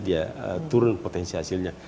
dia turun potensi hasilnya